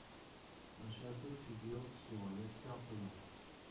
Un château figure sur un escarpement.